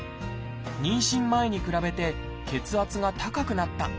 妊娠前に比べて血圧が高くなった。